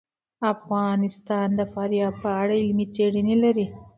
افغانستان د فاریاب په اړه علمي څېړنې لري.